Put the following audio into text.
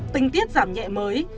tinh tiết giảm nhẹ mới